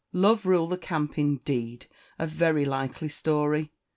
"Love rule the camp, indeed! A very likely story!